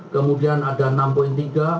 kemudian ada enam tiga